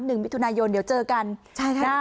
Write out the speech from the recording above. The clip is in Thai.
หนึ่งมิถุนายนเดี๋ยวเจอกันใช่ค่ะ